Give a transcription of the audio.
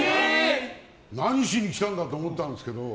何しに来たんだと思ったんですけど